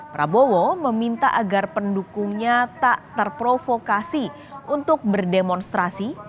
prabowo meminta agar pendukungnya tak terprovokasi untuk berdemonstrasi